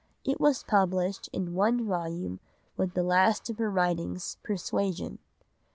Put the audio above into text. It was published in one volume with the last of her writings, Persuasion.